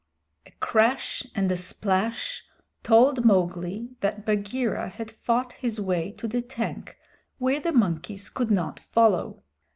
A crash and a splash told Mowgli that Bagheera had fought his way to the tank where the monkeys could not follow.